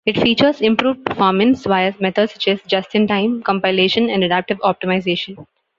It features improved performance via methods such as just-in-time compilation and adaptive optimization.